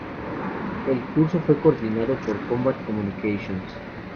El curso fue coordinado por Combat Communications.